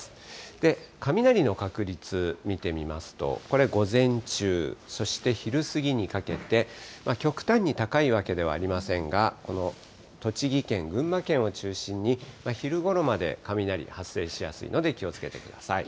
で、雷の確率見てみますと、これ午前中、そして昼過ぎにかけて、極端に高いわけではありませんが、この栃木県、群馬県を中心に、昼ごろまで雷、発生しやすいので気をつけてください。